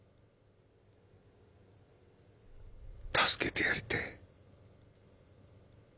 助けてやりてえ。